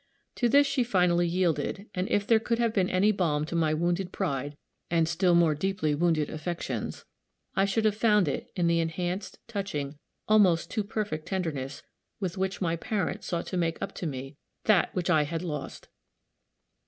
To this she finally yielded; and, if there could have been any balm to my wounded pride and still more deeply wounded affections, I should have found it in the enhanced, touching, almost too perfect tenderness with which my parent sought to make up to me that which I had lost.